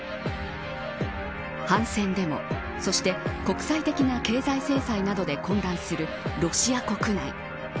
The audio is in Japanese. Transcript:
反戦デモ、そして国際的な経済制裁などで混乱するロシア国内。